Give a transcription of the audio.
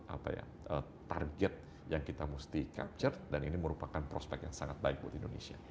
apa ya target yang kita mesti capture dan ini merupakan prospek yang sangat baik buat indonesia